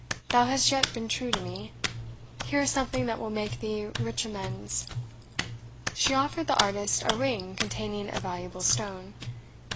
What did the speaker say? Thou hast yet been true to me here is something that will make thee rich amends." She offered the artist a ring containing a valuable stone.